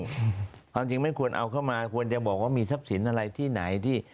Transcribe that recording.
ความจริงไม่ควรเอาเข้ามาควรจะบอกว่ามีทรัพย์สินอะไรที่ไหนที่